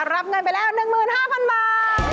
รับเงินไปแล้ว๑๕๐๐๐บาท